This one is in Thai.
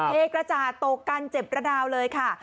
เทกระจาดตกกันเจ็บระดาวเลยค่ะ